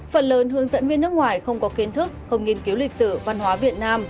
phần lớn hướng dẫn viên nước ngoài không có kiến thức không nghiên cứu lịch sử văn hóa việt nam